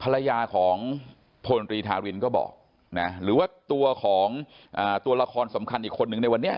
ภรรยาของพลฤษารินก็บอกหรือว่าตัวราคอนสำคัญอีกคนนึงในวันนี้